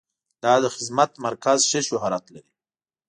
دا د خدمت مرکز ښه شهرت لري.